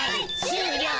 しゅうりょう